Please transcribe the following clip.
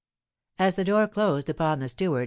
As the door closed upon the steward, M.